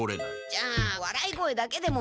じゃあわらい声だけでも！